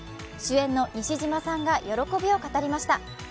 主演の西島さんが喜びを語りました。